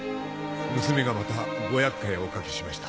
娘がまたご厄介をおかけしました。